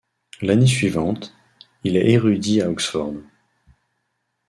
L'année suivante, il est érudit à Oxford.